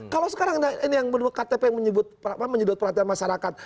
kalau sekarang ini yang menyebut perhatian masyarakat